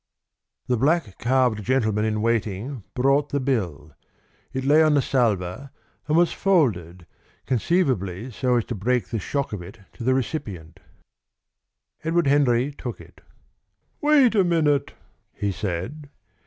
The black calved gentleman in waiting brought the bill. It lay on a salver, and was folded, conceivably so as to break the shock of it to the recipient. Edward Henry took it. "Wait a minute," he said.